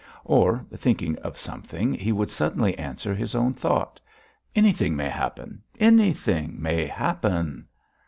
Or, thinking of something, he would suddenly answer his own thought: "Anything may happen! Anything may happen!"